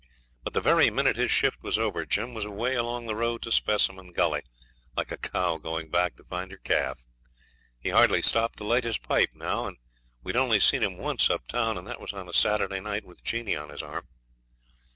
But the very minute his shift was over Jim was away along the road to Specimen Gully, like a cow going back to find her calf. He hardly stopped to light his pipe now, and we'd only seen him once up town, and that was on a Saturday night with Jeanie on his arm.